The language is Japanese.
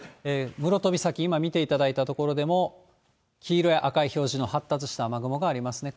室戸岬、今見ていただいた所でも、黄色や赤い表示の発達した雨雲がありますね。